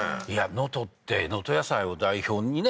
能登って能登野菜を代表にね